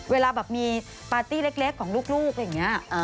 เวลาแบบมีปาร์ตี้เล็กของลูกอย่างนี้